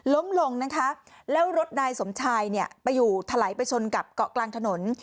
ล้มลงนะคะแล้วรถนายสมชายเนี่ยไปอยู่ถลายไปชนกับเกาะกลางถนน